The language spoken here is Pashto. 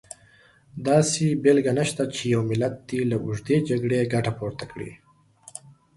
داسې بېلګه نشته چې یو ملت دې له اوږدې جګړې ګټه پورته کړي.